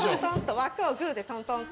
枠をグーでトントンと。